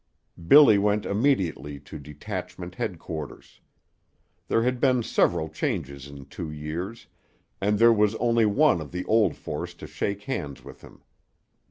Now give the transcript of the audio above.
Billy went immediately to detachment headquarters. There had been several changes in two years, and there was only one of the old force to shake hands with him.